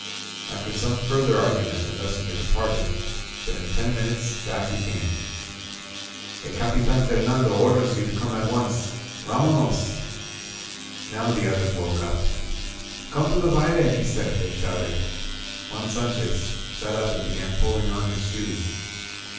After some further argument the messenger departed, but in ten minutes back he came. *TE1 Capitan Fernando orders you to come at once! VamonosF* Now the others woke up. "Come to the baile, meester!" they shouted. Juan Sanchez sat up and began pulling on his shoes.